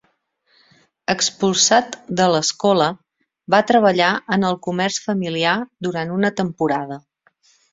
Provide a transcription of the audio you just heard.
Expulsat de l'escola, va treballar en el comerç familiar durant una temporada.